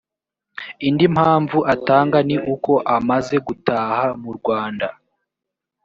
indi mpamvu atanga ni uko amaze gutaha mu rwanda